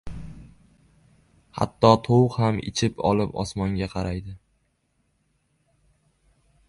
• Hatto tovuq ham ichib olib, osmonga qaraydi.